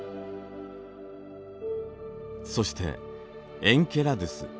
そしてエンケラドゥス。